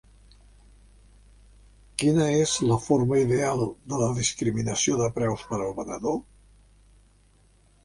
Quina és la forma ideal de la discriminació de preus per al venedor?